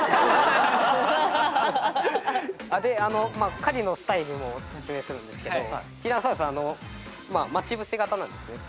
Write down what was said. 狩りのスタイルも説明するんですけどティラノサウルスは待ち伏せ型なんですね。